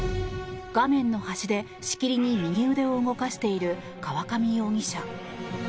画面の端で、しきりに右腕を動かしている河上容疑者。